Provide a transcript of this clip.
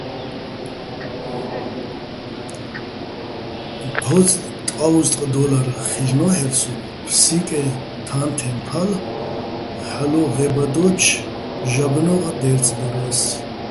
ჴო́წ ტყაუზტყ დო́ლარ ხილ'ნო́ჰ̦ერ სო́გო, "ფსიკეჼ-თანთეჼ ფალ" ჰ̦ალო̆ ღე́ბადოჩო̆ ჟაგნოღ დე́რწდორა́ს.